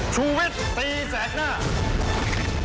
สวัสดีครับ